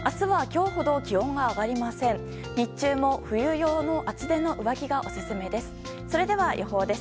日中も冬用の厚手の上着がオススメです。